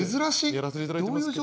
やらせていただいてますけど。